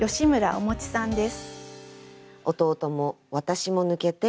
おもちさんです。